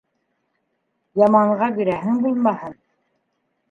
Яманға бирәһең булмаһын: